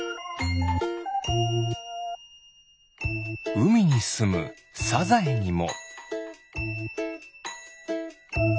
うみにすむサザエにも。